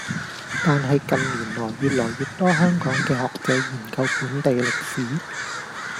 但係近年來越來越多香港嘅學者研究本地歷史